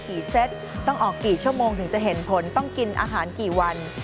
เซตต้องออกกี่ชั่วโมงถึงจะเห็นผลต้องกินอาหารกี่วัน